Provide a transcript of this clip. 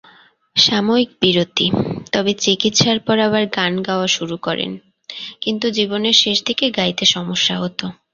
সাময়িক বিরতি, তবে চিকিৎসার পর আবার গান গাওয়া শুরু করেন, কিন্তু জীবনের শেষদিকে গাইতে সমস্যা হত।